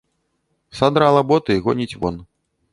Садрала боты і гоніць вон.